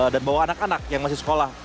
dan bawa anak anak yang masih sekolah